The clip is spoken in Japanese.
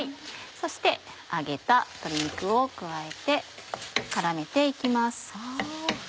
そして揚げた鶏肉を加えて絡めて行きます。